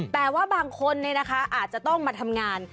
แต่ว่าบางคนเนี่ยนะคะอาจจะต้องมาทำงาน